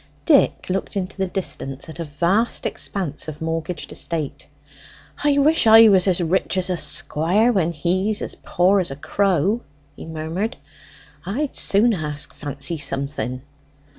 Dick looked into the distance at a vast expanse of mortgaged estate. "I wish I was as rich as a squire when he's as poor as a crow," he murmured; "I'd soon ask Fancy something."